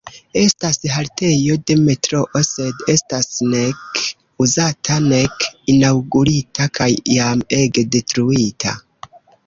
Estas haltejo de metroo sed estas nek uzata nek inaŭgurita, kaj jam ege detruita.